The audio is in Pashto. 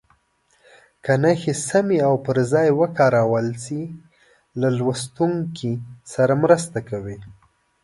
که نښې سمې او پر ځای وکارول شي له لوستونکي سره مرسته کوي.